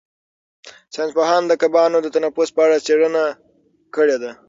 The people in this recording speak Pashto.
ساینس پوهانو د کبانو د تنفس په اړه څېړنه کړې ده.